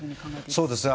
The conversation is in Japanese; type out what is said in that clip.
そうですね。